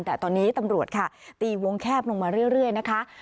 แต่ตอนนี้ตำรวจค่ะตีวงแคบลงมาเรื่อยนะคะ